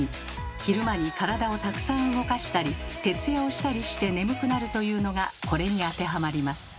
昼間に体をたくさん動かしたり徹夜をしたりして眠くなるというのがこれに当てはまります。